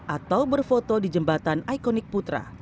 atau berfoto di jembatan ikonik putra